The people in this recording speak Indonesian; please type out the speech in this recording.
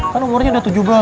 kan umurnya udah tujuh belas